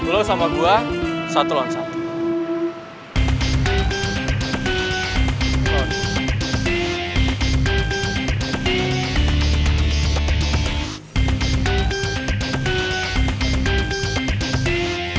lo sama gue satu lawan satu